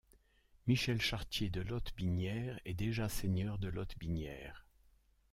Michel Chartier de Lotbinière est déjà seigneur de Lotbinière.